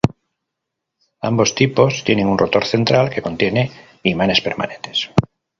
Ambos tipos tienen un rotor central que contiene imanes permanentes.